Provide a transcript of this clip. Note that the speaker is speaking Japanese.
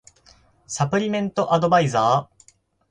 サプリメントアドバイザー